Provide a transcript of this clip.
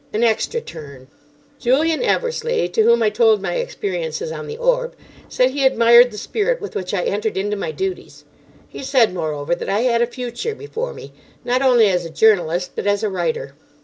An extra turn." Julian Eversleigh, to whom I told my experiences on the Orb, said he admired the spirit with which I entered into my duties. He said, moreover, that I had a future before me, not only as a journalist, but as a writer.